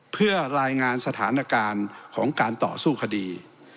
เพื่อรายงานสถานการณ์ของการต่อสู้คดี